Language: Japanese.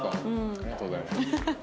ありがとうございます。